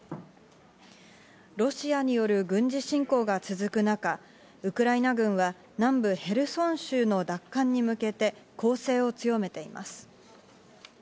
ロシアによる軍事侵攻が続く中、ウクライナ軍は南部ヘルソン州の奪還に向けて攻勢を強めています。